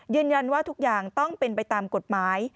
ยืนยันว่าทุกอย่างต้องเป็นไปตามกฎหมาย